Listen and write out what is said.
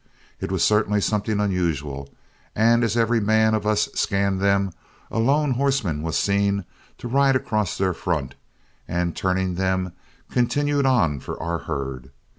It was certainly something unusual, and as every man of us scanned them, a lone horseman was seen to ride across their front, and, turning them, continue on for our herd.